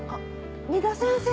三田先生。